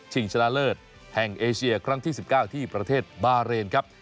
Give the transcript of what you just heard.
ชนะเลิศแห่งเอเชียครั้งที่๑๙ที่ประเทศบาเรนครับ